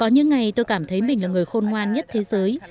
những ngày tôi cảm thấy mình là người khôn ngoan nhất thế giới